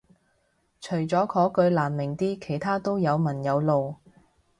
除咗嗰句難明啲其他都有文有路